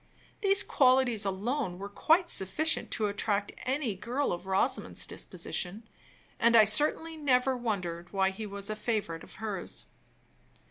These qualities alone were quite sufficient to attract any girl of Rosamond's disposition; and I certainly never wondered why he was a favorite of hers.